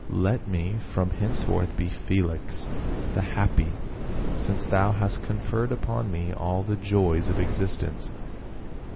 Let me from henceforth be Felix, the happy, since thou hast conferred upon me all the joys of existence."